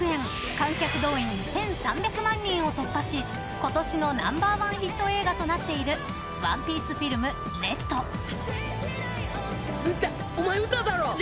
観客動員１３００万人を突破し今年のナンバーワンヒット映画となっている「ＯＮＥＰＩＥＣＥＦＩＬＭＲＥＤ」ウタ、お前ウタだろ。